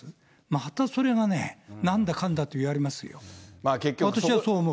またそれがね、なんだかんだといわれますよ、私はそう思う。